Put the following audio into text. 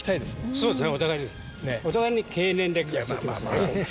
そうですね。